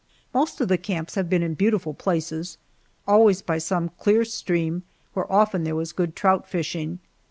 Most of the camps have been in beautiful places always by some clear stream where often there was good trout fishing.